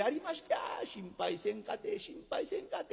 「あ心配せんかてええ心配せんかてええ。